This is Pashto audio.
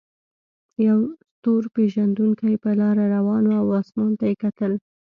یو ستور پیژندونکی په لاره روان و او اسمان ته یې کتل.